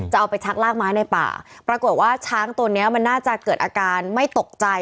เอาไปชักลากไม้ในป่าปรากฏว่าช้างตัวเนี้ยมันน่าจะเกิดอาการไม่ตกใจ